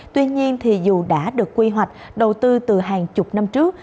tuy nhiên dù đã được quy hoạch đầu tư từ hàng chục năm trước